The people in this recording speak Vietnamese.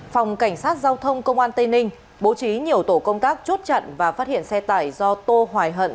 phòng cảnh sát giao thông công an tây ninh bố trí nhiều tổ công tác chốt chặn và phát hiện xe tải do tô hoài hận